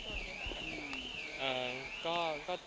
ทุกคน